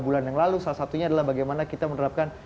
bulan yang lalu salah satunya adalah bagaimana kita menerapkan